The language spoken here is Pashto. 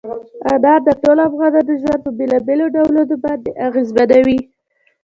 انار د ټولو افغانانو ژوند په بېلابېلو ډولونو باندې اغېزمنوي.